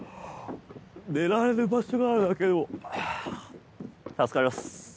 寝られる場所があるだけでも助かります。